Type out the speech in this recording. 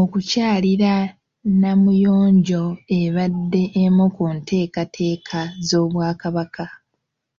Okukyalira Namuyonjo ebadde emu ku nteekateeka z’Obwakabaka.